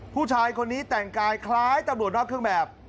ผู้ชายคนนี้แต่งกายคล้ายตำรวจนอกเครื่องแบบ